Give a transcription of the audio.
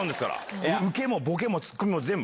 受けもボケもツッコミも全部。